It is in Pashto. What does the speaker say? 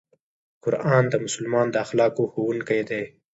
قرآن د مسلمان د اخلاقو ښوونکی دی.